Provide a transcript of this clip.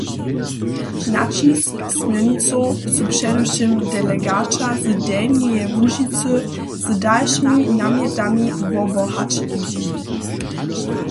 Naćisk směrnicow su předewšěm delegaća z Delnjeje Łužicy z dalšimi namjetami wobohaćili.